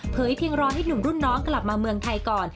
เพียงรอให้หนุ่มรุ่นน้องกลับมาเมืองไทยก่อน